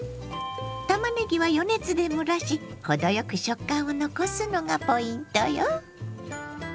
たまねぎは余熱で蒸らし程よく食感を残すのがポイントよ。